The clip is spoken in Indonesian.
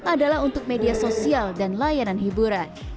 adalah untuk media sosial dan layanan hiburan